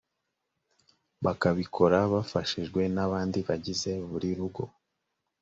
bakabikora bafashijwe n abandi bagize buri rugo